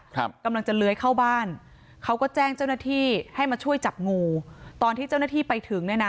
กำลังจะเลื้อยเข้าบ้านเขาก็แจ้งเจ้าหน้าที่ให้มาช่วยจับงูตอนที่เจ้าหน้าที่ไปถึงเนี่ยนะ